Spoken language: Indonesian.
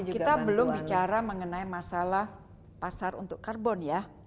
kita belum bicara mengenai masalah pasar untuk karbon ya